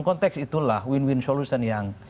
konteks itulah win win solution yang